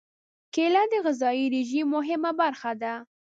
کېله د غذايي رژیم مهمه برخه ده.